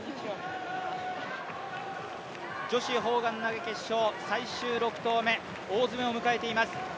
女子砲丸投決勝、最終６投目、大詰めを迎えています。